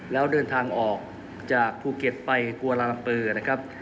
แล้วเดินทางออกจากภูเก็ตไปกวลาลัมเปอร์นะครับ